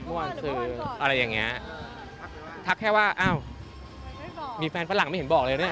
เมื่อวานคืออะไรอย่างเงี้ยทักแค่ว่าอ้าวมีแฟนฝรั่งไม่เห็นบอกเลยเนี่ย